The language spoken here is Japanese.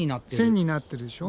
線になってるでしょ。